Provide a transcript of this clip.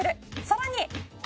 「さらに」